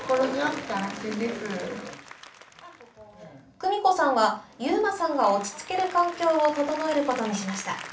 久美子さんは勇馬さんが落ち着ける環境を整えることにしました。